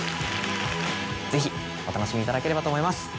ぜひお楽しみいただければと思います